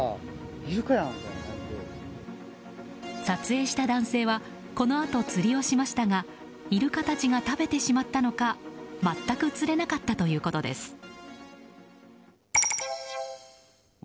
撮影した男性はこのあと釣りをしましたがイルカたちが食べてしまったのか全く釣れなかったということです。